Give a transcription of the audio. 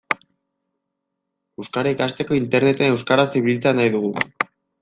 Euskara ikasteko Interneten euskaraz ibiltzea nahi dugu.